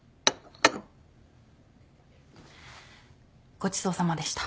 ごちそうさまでした。